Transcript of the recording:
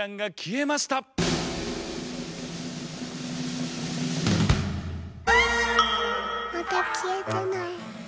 ・またきえてない。